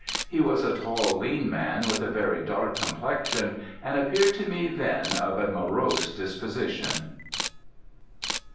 He was a tall, lean man, with a very dark complexion, and appeared to me then of a morose disposition.'